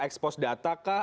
exposed data kah